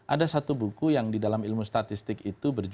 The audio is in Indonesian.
ada satu buku yang di dalam ilmu statistik itu berjual